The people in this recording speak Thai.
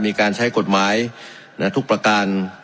มีการใช้กฎหมายทุกประการ